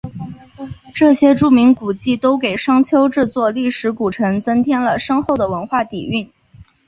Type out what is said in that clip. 这些著名古迹都给商丘这座历史古城增添了深厚的文化底蕴。